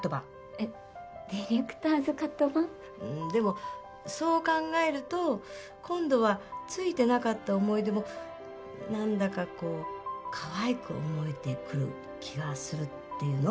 えっディレクターズカット版？でもそう考えると今度はついてなかった思い出もなんだかこうかわいく思えてくる気がするっていうの。